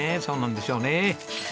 そうなんでしょうね。